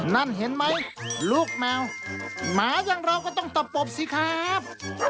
นั่นเห็นไหมลูกแมวหมาอย่างเราก็ต้องตะปบสิครับ